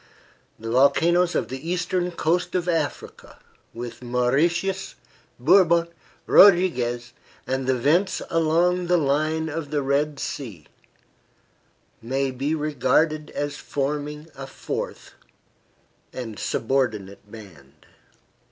The volcanoes of the eastern coast of Africa, with Mauritius, Bourbon, Rodriguez, and the vents along the line of the Red Sea, may be regarded as forming a fourth and subordinate band.